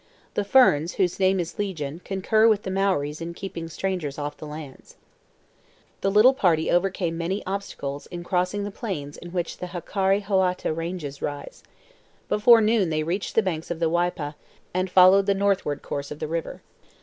The ferns, whose name is legion, concur with the Maories in keeping strangers off the lands. The little party overcame many obstacles in crossing the plains in which the Hakarihoata Ranges rise. But before noon they reached the banks of the Waipa, and followed the northward course of the river.